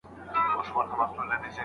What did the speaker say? دا کار کوم چي تاسي غوښتی دی.